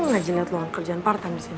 gajinya luar kerjaan part time disini